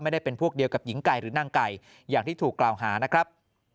ได้เป็นพวกเดียวกับหญิงไก่หรือนางไก่อย่างที่ถูกกล่าวหานะครับ